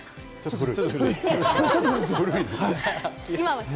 古い？